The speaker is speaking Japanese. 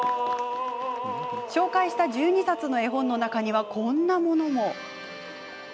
紹介した１２冊の絵本の中にはこんなものも。